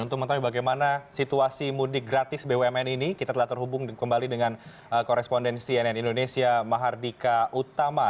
untuk mengetahui bagaimana situasi mudik gratis bumn ini kita telah terhubung kembali dengan koresponden cnn indonesia mahardika utama